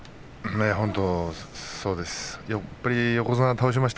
本当にそうです。